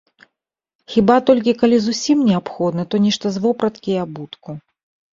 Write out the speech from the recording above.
Хіба толькі калі зусім неабходна, то нешта з вопраткі і абутку.